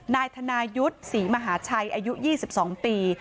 นายธนายุทธ์ศรีมหาชัยอายุ๒๒ปี